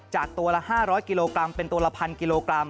จากตัวละ๕๐๐กิโลกรัมเป็นตัวละ๑๐๐กิโลกรัม